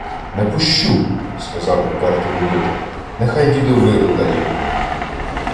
— Не пущу! — сказав уперто Людота. — Нехай дідо виру дає.